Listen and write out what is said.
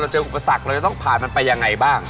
เจออุปสรรคเราจะต้องผ่านมันไปยังไงบ้าง